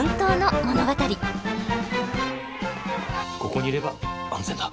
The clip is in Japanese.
ここにいれば安全だ。